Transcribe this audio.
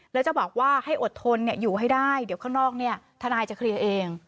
แล้วจะบอกว่าให้อดทนอยู่ให้ได้เดี๋ยวข้างนอกทนายจะเคลียร์เอง